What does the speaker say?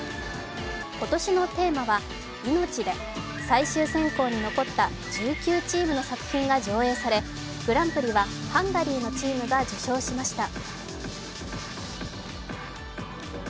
今年のテーマは「命」で、最終選考に残った１９チームの作品が上映されグランプリはハンガリーのチームが受賞しました。